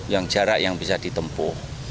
yang jarak yang bisa ditempuh